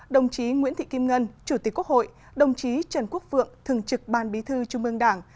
đồng chí nguyễn thị kim ngân chủ tịch quốc hội đồng chí trần quốc vượng thường trực ban bí thư trung ương đảng